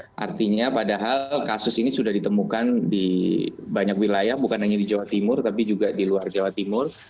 nah artinya padahal kasus ini sudah ditemukan di banyak wilayah bukan hanya di jawa timur tapi juga di luar jawa timur